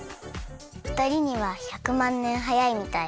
ふたりには１００まんねんはやいみたい。